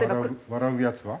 笑うやつは？